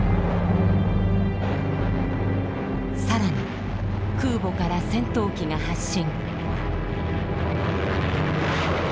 さらに空母から戦闘機が発進。